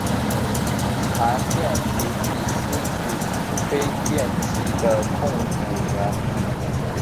集团现时亦失去新飞电器的控股权。